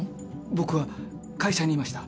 僕は会社にいました。